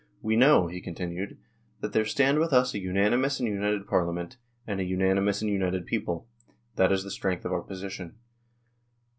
" We know," he continued, " that there stand with us a unanimous and united Parliament, and a unanimous and united people. That is the strength of our position.